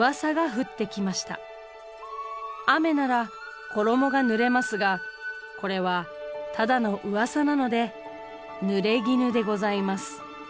雨なら衣が濡れますがこれはただのうわさなので濡れ衣でございます」。